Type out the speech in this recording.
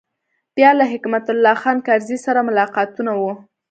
بیا له حکمت الله خان کرزي سره ملاقاتونه و.